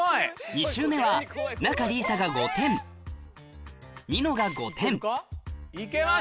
２周目は仲里依紗が５点ニノが５点いけるか？